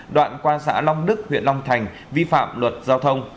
đoạn qua xã long đức huyện long thành vi phạm luật giao thông